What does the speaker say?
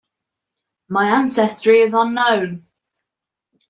My ancestry is unknown.